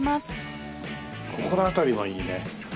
ここの辺りもいいね。